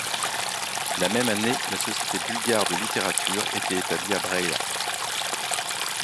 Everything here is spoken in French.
La même année la société bulgare de littérature était établie à Brăila.